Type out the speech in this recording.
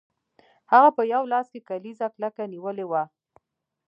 هغه په یو لاس کې کلیزه کلکه نیولې وه